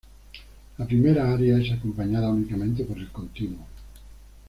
La primera aria es acompañada únicamente por el continuo.